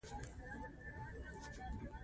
په افغانستان کې د د اوبو سرچینې منابع شته.